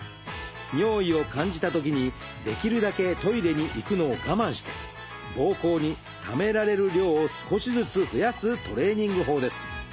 尿意を感じたときにできるだけトイレに行くのを我慢してぼうこうにためられる量を少しずつ増やすトレーニング法です。